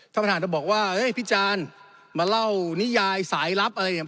ท่านประธานก็บอกว่าเฮ้ยพี่จานมาเล่านิยายสายลับอะไรเนี่ย